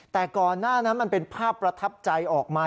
แต่ก่อนหน้านั้นมันเป็นภาพประทับใจออกมา